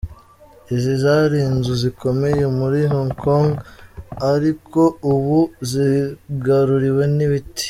Izi zari inzu zikomeye muri Hong Kong ariko ubu zigaruriwe n'ibiti.